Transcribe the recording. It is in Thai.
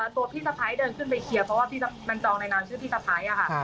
ตัวพี่สะพ้ายเดินขึ้นไปเคลียร์เพราะว่าพี่มันจองในนามชื่อพี่สะพ้ายค่ะ